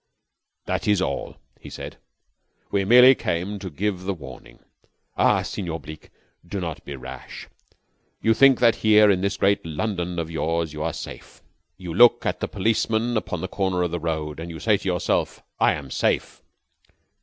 "That is all," he said. "We merely came to give the warning. Ah, Senor Bleke, do not be rash. You think that here, in this great London of yours, you are safe. You look at the policeman upon the corner of the road, and you say to yourself 'I am safe.'